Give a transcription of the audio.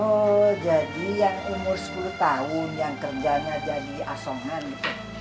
oh jadi yang umur sepuluh tahun yang kerjanya jadi asongan gitu